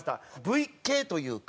Ｖ系というか。